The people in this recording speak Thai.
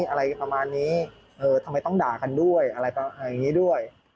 อะไรประมาณนี้ทำไมต้องด่ากันด้วยอะไรแบบนี้ด้วย